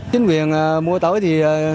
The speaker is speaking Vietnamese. chính quyền mua tỏi thì